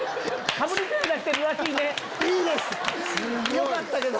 よかったけど。